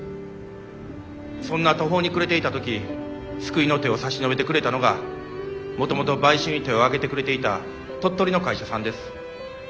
そんな途方に暮れていた時救いの手を差し伸べてくれたのがもともと買収に手を挙げてくれていた鳥取の会社さんです。